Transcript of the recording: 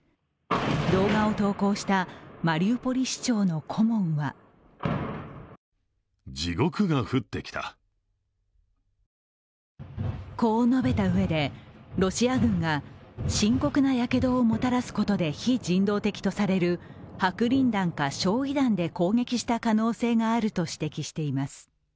動画を投稿したマリウポリ市長の顧問はこう述べたうえで、ロシア軍が深刻なやけどをもたらすことで非人道的とされる白リン弾か焼い弾で攻撃した可能性があると指摘しています。